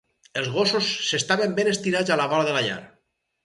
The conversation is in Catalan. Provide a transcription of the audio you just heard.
Els gossos s'estaven ben estirats a la vora de la llar.